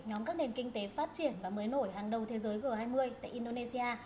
nhóm các nền kinh tế phát triển và mới nổi hàng đầu thế giới g hai mươi tại indonesia